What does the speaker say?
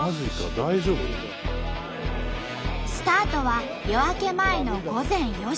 大丈夫？スタートは夜明け前の午前４時。